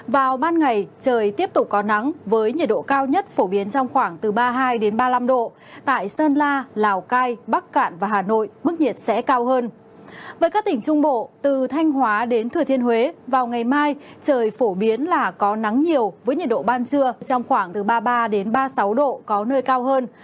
với các tỉnh trung bộ từ thanh hóa đến thừa thiên huế vào ngày mai trời phổ biến là có nắng nhiều với nhiệt độ ban trưa trong khoảng từ ba mươi ba ba mươi sáu độ có nơi cao hơn